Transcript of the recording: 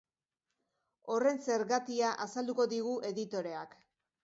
Horren zergatia azalduko digu editoreak.